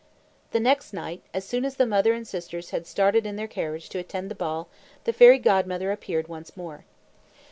The next night, as soon as the mother and sisters had started in their carriage to attend the ball, the Fairy Godmother appeared once more.